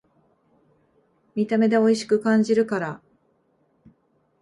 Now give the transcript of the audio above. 見た目でおいしく感じるから